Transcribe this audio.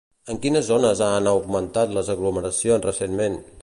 En quines zones han augmentat les aglomeracions recentment?